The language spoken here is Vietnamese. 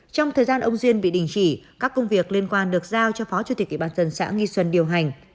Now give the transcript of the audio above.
trong thời gian ông diên bị đình chỉ các công việc liên quan được giao cho phó chủ tịch ủy ban dân xã nghi xuân điều hành